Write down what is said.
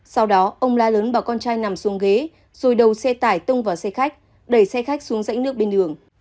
sau đó ông la lớn vào con trai nằm xuống ghế rồi đầu xe tải tung vào xe khách đẩy xe khách xuống dãy nước bên đường